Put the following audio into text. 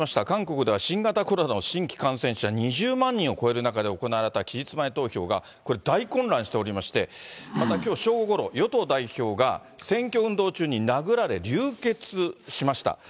韓国では新型コロナの新規感染者２０万人を超える中で行われた期日前投票が、これ、大混乱しておりまして、またきょう正午ごろ、与党代表が選挙運動中に殴られ流血しました。